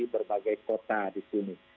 berbagai kota di sini